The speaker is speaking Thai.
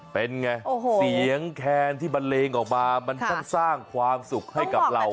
เป็นไงเสียงแคนที่บันเลงออกมามันช่างสร้างความสุขให้กับเรา